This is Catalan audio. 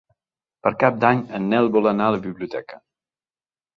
Per Cap d'Any en Nel vol anar a la biblioteca.